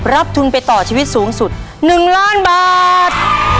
ทุนไปต่อชีวิตสูงสุด๑ล้านบาท